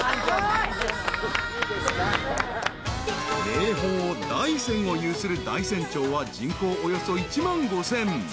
［名峰大山を有する大山町は人口およそ１万５，０００］